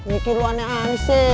mikir lu aneh aneh